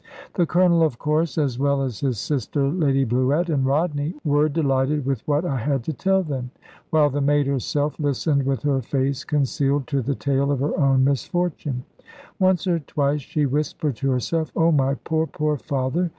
The Colonel, of course, as well as his sister Lady Bluett, and Rodney, wore delighted with what I had to tell them, while the maid herself listened with her face concealed to the tale of her own misfortune. Once or twice she whispered to herself, "Oh my poor poor father!"